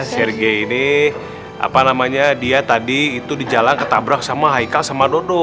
serge ini apa namanya dia tadi itu di jalan ketabrak sama haikal sama dodo